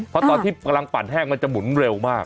เพราะตอนที่กำลังปั่นแห้งมันจะหมุนเร็วมาก